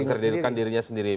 mengkerdilkan dirinya sendiri